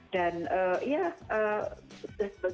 dan ya berbeg di bapak lah kalau pak jk